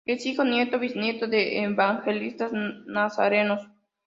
Es hijo, nieto y bisnieto de evangelistas nazarenos.